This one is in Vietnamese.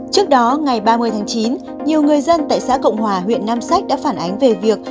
trước đó ngày ba mươi tháng chín nhiều người dân tại xã cộng hòa huyện nam sách đã phản ánh về việc